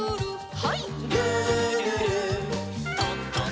はい。